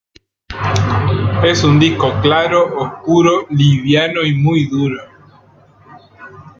Es un disco claro, oscuro, liviano y duro.